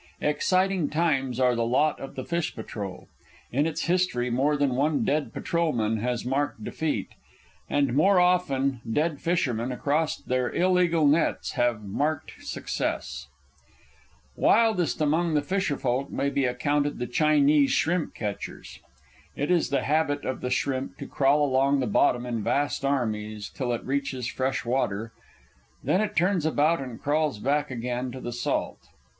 Exciting times are the lot of the fish patrol: in its history more than one dead patrolman has marked defeat, and more often dead fishermen across their illegal nets have marked success. Wildest among the fisher folk may be accounted the Chinese shrimp catchers. It is the habit of the shrimp to crawl along the bottom in vast armies till it reaches fresh water, when it turns about and crawls back again to the salt.